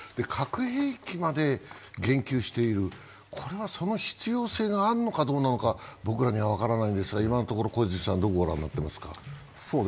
核兵器まで言及している、これはその必要性があるのかどうか僕らには分からないんですが、今のところ、小泉さんどう御覧になっていますか？